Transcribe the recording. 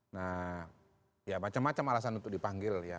nah ya macam macam alasan untuk dipanggil ya